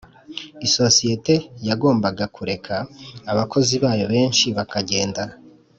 isosiyete yagombaga kureka abakozi bayo benshi bakagenda.